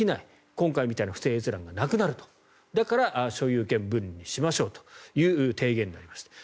今回みたいな不正閲覧がなくなるだから所有権分離しましょうという提言になりました。